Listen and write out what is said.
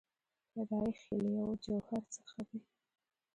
پیدایښت یې له یوه جوهر څخه دی.